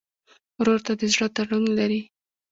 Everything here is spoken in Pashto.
ورور ته د زړه تړون لرې.